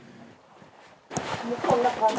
こんな感じ。